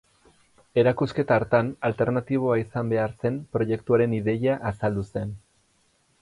Erakusketa hartan alternatiboa izan behar zen proiektuaren ideia azaldu zen.